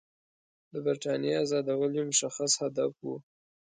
د برټانیې آزادول یې مشخص هدف وو.